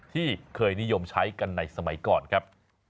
ที่เคยนิยมใช้กันในสมัยก่อนครับ